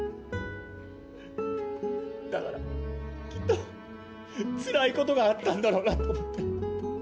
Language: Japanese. だからきっとつらいことがあったんだろうなと思って。